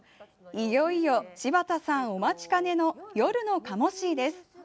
いよいよ、柴田さんお待ちかねの夜の鴨シーです。